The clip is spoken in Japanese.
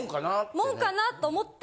もんかなと思って。